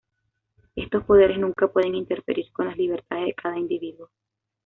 Estos poderes nunca pueden interferir con las libertades de cada individuo.